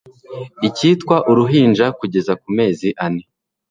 ikitwa uruhinja kugeza ku mezi ane